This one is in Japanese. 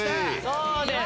そうです